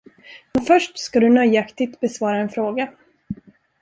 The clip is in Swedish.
Men först ska du nöjaktigt besvara en fråga.